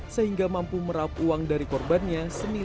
sehingga mampu merap uang dari korbannya